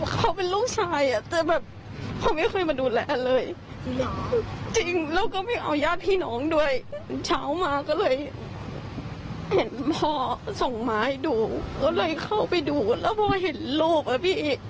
ก็เลยเข้าไปดูแล้วพอเห็นรูปอ่ะพี่